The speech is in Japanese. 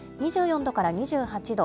２４度から２８度。